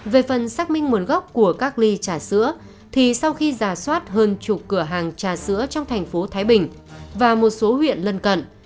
về phần xác minh nguồn gốc của các ly trà sữa thì sau khi giả soát hơn chục cửa hàng trà sữa trong thành phố thái bình và một số huyện lân cận